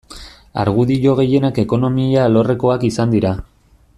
Argudio gehienak ekonomia alorrekoak izan dira.